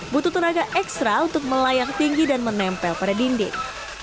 butuh tenaga ekstra untuk melayang tinggi dan menempel pada dinding